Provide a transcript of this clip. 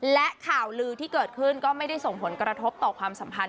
และข่าวลือที่เกิดขึ้นก็ไม่ได้ส่งผลกระทบต่อความสัมพันธ